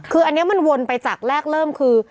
คืออันนี้มันวนไปจากแรกเริ่มคือ